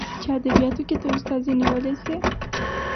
چې ادبياتو کې ته استادي نيولى شې.